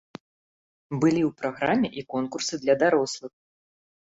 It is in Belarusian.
Былі ў праграме і конкурсы для дарослых.